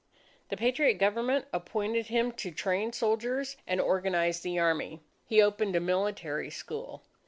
The Patriot Government appointed him to train soldiers and organize the army. He opened a military school.